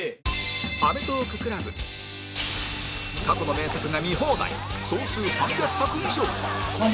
過去の名作が見放題総数３００作以上